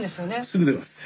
すぐ出ます。